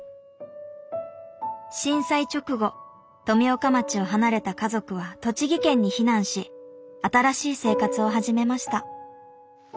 震災直後富岡町を離れた家族は栃木県に避難し新しい生活を始めました。